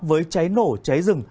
với cháy nổ cháy rừng